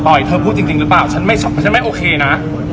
ปล่อยเธอพูดจริงหรือเปล่าฉันไม่โอเคนะ